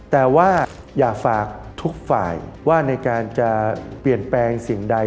แต่ว่าอยากฝากทุกฝ่ายว่าในการจะเปลี่ยนแปลงสิ่งใด